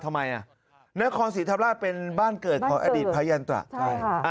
ทำไมอ่ะนครศรีธรรมราชเป็นบ้านเกิดของอดีตพระยันตระใช่